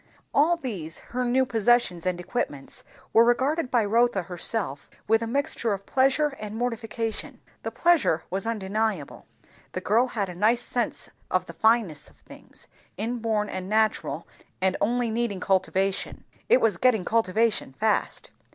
All these her new possessions and equipments were regarded by Rotha herself with a mixture of pleasure and mortification. The pleasure was undeniable; the girl had a nice sense of the fitness of things, inborn and natural and only needing cultivation. It was getting cultivation fast.